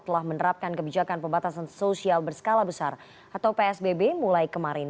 telah menerapkan kebijakan pembatasan sosial berskala besar atau psbb mulai kemarin